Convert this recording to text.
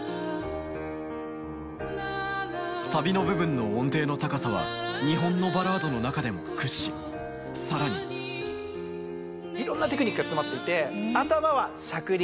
サビの部分の音程の高さは日本のバラードの中でも屈指さらにいろんなテクニックが詰まっていて頭はしゃくり。